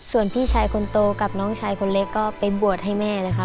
ส่วนพี่ชายคนโตกับน้องชายคนเล็กก็ไปบวชให้แม่เลยค่ะ